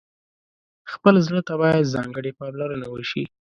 خپل زړه ته باید ځانګړې پاملرنه وشي.